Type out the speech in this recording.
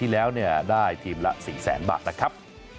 แล้วเนี่ยได้ทีมละสี่แสนบาทนะครับ